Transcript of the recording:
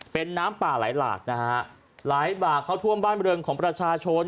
เป็นน้ำป่าไหลหลากนะฮะไหลบ่าเข้าท่วมบ้านบริเวณของประชาชน